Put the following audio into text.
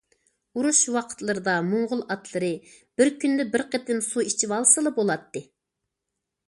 ئۇرۇش ۋاقىتلىرىدا موڭغۇل ئاتلىرى بىر كۈندە بىر قېتىم سۇ ئىچىۋالسىلا بولاتتى.